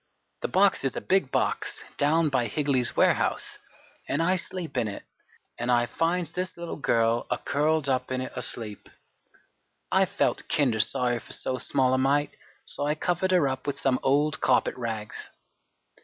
The box is a big box down by Higley's warehouse, an' I sleep in it. An' I finds this little girl a curled up in it asleep. I felt kinder sorry for so small a mite, so I covered her up with some old carpet rags.